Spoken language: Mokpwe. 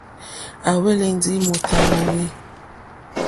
À hwélì ndí mòtà wòòwê.